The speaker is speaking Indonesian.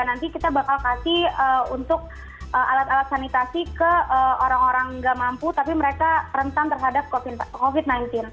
nanti kita bakal kasih untuk alat alat sanitasi ke orang orang nggak mampu tapi mereka rentan terhadap covid sembilan belas